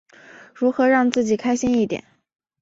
如何让自己开心一点？